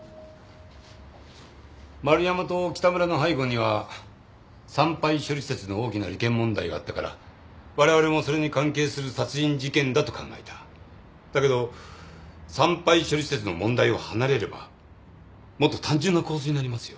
丸山と北村の背後には産廃処理施設の大きな利権問題があったからわれわれもそれに関係する殺人事件だと考えただけど産廃処理施設の問題を離れればもっと単純な構図になりますよ